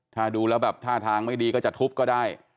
ถ้าดูแล้วแบบท่าทางไม่ดีก็จะทุบก็ได้